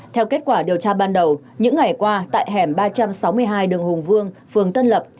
theo kết quả điều tra ban đầu những ngày qua tại hẻm ba trăm sáu mươi hai đường hùng vương phường tân lập